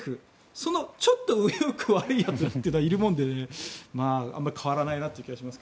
そのちょっと上を行く悪いやつというのがいるもんで変わらないなという気がします。